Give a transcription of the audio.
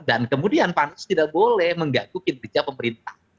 dan kemudian pansus tidak boleh menggagukin kerja pemerintah